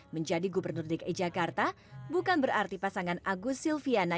menjadi gubernur dki jakarta bukan berarti pasangan agus silviana